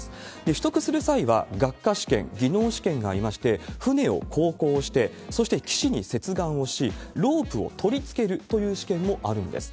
取得する際は学科試験、技能試験がありまして、船を航行して、そして岸に接岸をし、ロープを取り付けるという試験もあるんです。